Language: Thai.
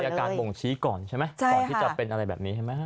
อาการบ่งชี้ก่อนใช่ไหมก่อนที่จะเป็นอะไรแบบนี้ใช่ไหมฮะ